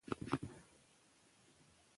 زه د کور کارونه هم په مینه کوم.